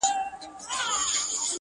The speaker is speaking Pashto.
زې منمه ته صاحب د کُل اختیار یې،